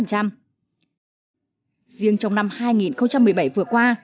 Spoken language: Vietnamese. riêng trong năm hai nghìn một mươi bảy vừa qua